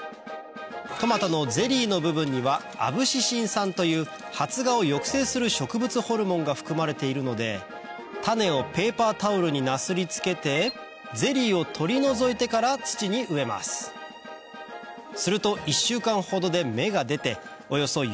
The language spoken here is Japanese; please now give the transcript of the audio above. トマトのゼリーの部分にはアブシシン酸という発芽を抑制する植物ホルモンが含まれているので種をペーパータオルになすり付けてゼリーを取り除いてから土に植えます